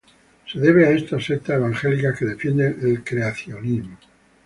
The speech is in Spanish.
se debe a estas sectas evangélicas que defienden el creacionismo